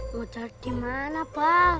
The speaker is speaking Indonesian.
mau cari tim mana pa